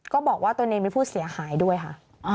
ก็บอกว่าตัวเน้นเป็นผู้เสียขายด้วยค่ะ